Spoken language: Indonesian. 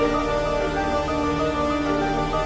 mengurus dan merawat anaknya dengan baik